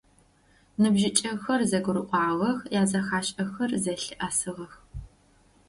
Ныбжьыкӏэхэр зэгурыӏуагъэх, язэхашӏэхэр зэлъыӏэсыгъэх.